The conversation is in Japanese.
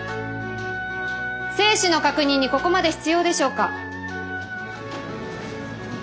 生死の確認にここまで必要でしょうか。